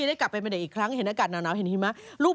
ได้กลับไปเป็นเด็กอีกครั้งเห็นอากาศหนาวเห็นหิมะ